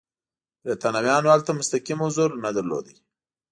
برېټانویانو هلته مستقیم حضور نه درلود.